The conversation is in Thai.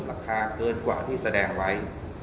ราคาเกินกว่าที่แสดงไว้